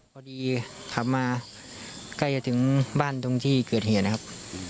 พอดีขับมาใกล้จะถึงบ้านตรงที่เกิดเหตุนะครับ